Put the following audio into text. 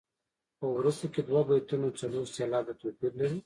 په وروسته کې دوه بیتونه څلور سېلابه توپیر لري.